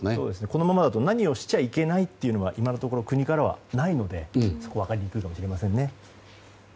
このままだと何をしちゃいけないというのが今のところ国からはないので分かりにくいかもしれません。